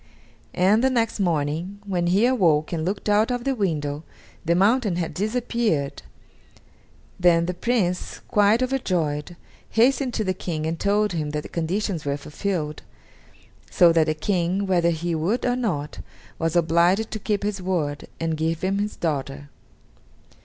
And the next morning, when he awoke and looked out of the window, the mountain had disappeared! Then the Prince, quite overjoyed, hastened to the King and told him that the conditions were fulfilled, so that the King, whether he would or not, was obliged to keep his word and give him his daughter.